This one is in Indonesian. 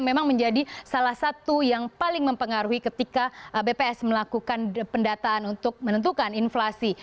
memang menjadi salah satu yang paling mempengaruhi ketika bps melakukan pendataan untuk menentukan inflasi